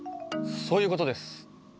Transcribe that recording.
そういうことです！